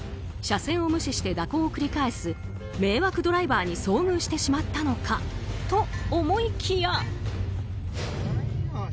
車線を無視して蛇行を繰り返す迷惑ドライバーに遭遇してしまったのかと思いきや。